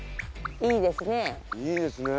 いいですね。